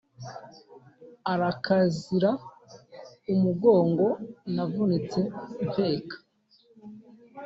urakazira umugongo navunitse mpeka,